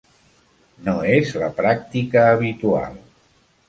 No és la pràctica habitual.